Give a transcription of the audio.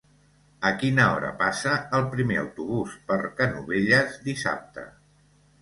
A quina hora passa el primer autobús per Canovelles dissabte?